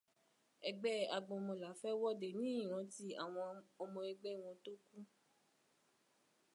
Ẹgbẹ́ Agbọmọlà fẹ́ wọ́de ní ìrántì àwọn ọmọ ẹgbẹ́ wọn tó kú.